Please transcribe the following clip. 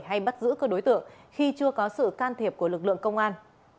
hay bắt giữ cơ đối tượng khi chưa có sự can thiệp của lực lượng công an